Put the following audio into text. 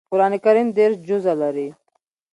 قران کریم دېرش جزء لري